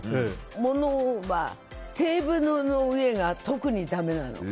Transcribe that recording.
物は、テーブルの上が特にだめなの。